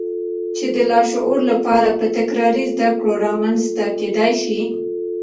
چې د لاشعور لپاره په تکراري زدهکړو رامنځته کېدای شي.